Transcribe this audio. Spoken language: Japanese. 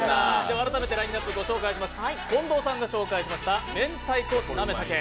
改めてラインナップ紹介します。